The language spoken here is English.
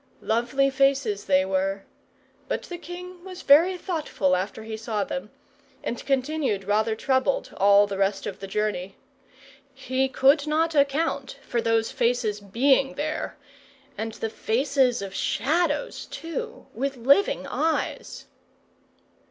Lovely faces they were; but the king was very thoughtful after he saw them, and continued rather troubled all the rest of the journey. He could not account for those faces being there, and the faces of Shadows, too, with living eyes.